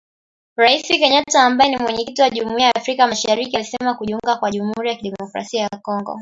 Rais Kenyatta ambaye ni Mwenyekiti wa Jumuiya ya Afrika Mashariki alisema kujiunga kwa Jamhuri ya kidemokrasia ya Kongo.